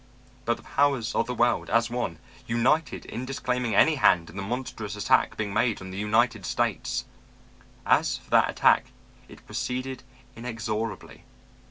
But the powers of the world, as one, united in disclaiming any hand in the monstrous attack being made on the United States. As for that attack, it proceeded inexorably.